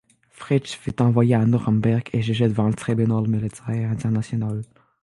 Fritzsche fut envoyé à Nuremberg et jugé devant le Tribunal militaire international.